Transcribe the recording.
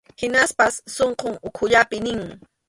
Hinaspas sunqun ukhullapi nin.